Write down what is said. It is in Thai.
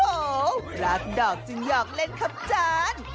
โอ้โหรักดอกจึงหยอกเล่นครับจาน